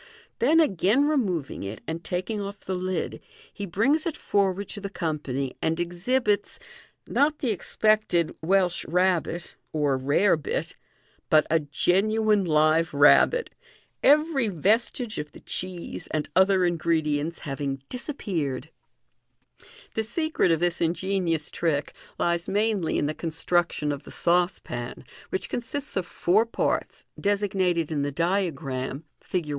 Then again removing it, and taking off the lid, he brings it forward to the company, and exhibits, not the expected Welsh Rabbit, or " rare bit," but a genuine live rabbit, every vestige of the cheese and other ingredients having disappeared. 3H MODERN MAGIC. The secret of this ingenious trick lies mainly in the construction of the saucepan, which consists of four parts, designated in the diagram (Fig.